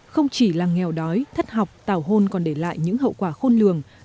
không chỉ là nghèo đói thất học tào hôn còn để lại những hậu quả khôn lường